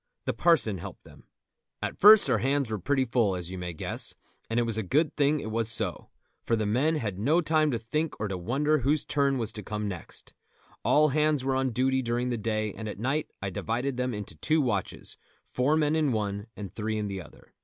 The parson helped them. At first our hands were pretty full, as you may guess, and it was a good thing it was so, for the men had no time to think or to wonder whose turn was to come next. All hands were on duty during the day, and at night I divided them into two watches, four men in one and three in the other.